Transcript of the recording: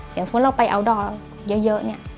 อย่างสมมุติเราไปอัลดอลเยอะ